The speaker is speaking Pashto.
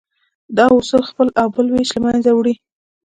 دا اصول خپل او بل وېش له منځه وړي.